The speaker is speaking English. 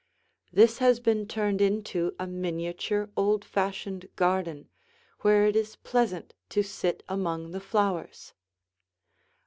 This has been turned into a miniature old fashioned garden, where it is pleasant to sit among the flowers.